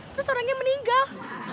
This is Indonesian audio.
terus orangnya meninggal